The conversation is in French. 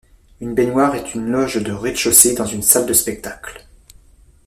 Une baignoire est une loge de rez-de-chaussée dans une salle de spectacle.